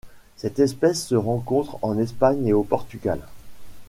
Cette espèce se rencontre en Espagne et au Portugal.